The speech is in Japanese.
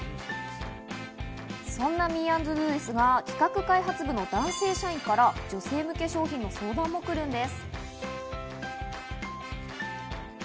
そんなｍｅ＆ｄｏですが、企画開発部の男性社員から女性向け商品の相談も来るんです。